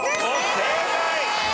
正解！